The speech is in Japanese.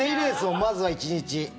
まずは１日。